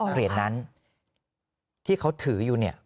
เหรียญนั้นที่เขาถืออยู่เนี่ย